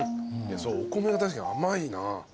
そうお米が確かに甘いな。